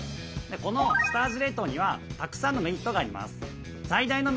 この下味冷凍にはたくさんのメリットがあります。